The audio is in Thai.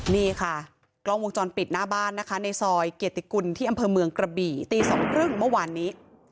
นี่ค่ะกล้องวงจรปิดหน้าบ้านนะคะในซอยเกียรติกุลที่อำเภอเมืองกระบี่ตี๒๓๐เมื่อวานนี้